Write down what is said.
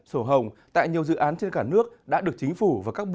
sổ hồng tại nhiều dự án trên cả nước đã được chính phủ và các bộ tài chính quy định